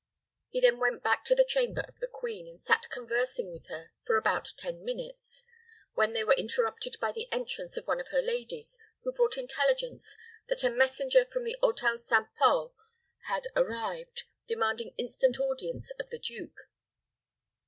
He then went back to the chamber of the queen, and sat conversing with her for about ten minutes, when they were interrupted' by the entrance of one of her ladies, who brought intelligence that a messenger from the Hôtel St Pol had arrived, demanding instant audience of the duke.